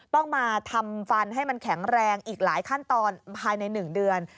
ต้องมาทำฟันให้มันแข็งแรงอีกหลายขั้นตอนภายใน๑เดือน